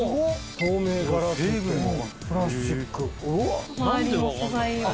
透明ガラスプラスチック。